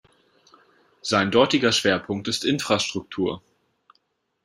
Sein dortiger Schwerpunkt ist Infrastruktur.